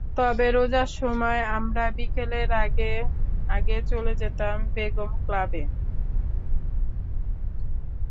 তবে রোজার সময় আমরা বিকেলের আগে আগে চলে যেতাম বেগম ক্লাবে।